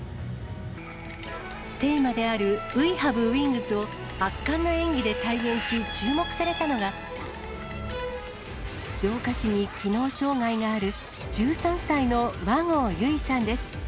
テーマであるウィ・ハブ・ウイングスを、圧巻の演技で体現し、注目されたのが、上下肢に機能障害がある１３歳の和合由依さんです。